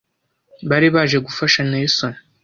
bari baje gufasha Nelson,